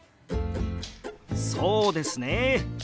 そうですね